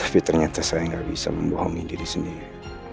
tapi ternyata saya nggak bisa membohongi diri sendiri